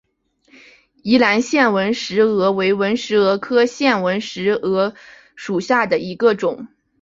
宜兰腺纹石娥为纹石蛾科腺纹石蛾属下的一个种。